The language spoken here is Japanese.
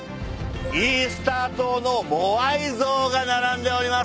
イースター島のモアイ像が並んでおります。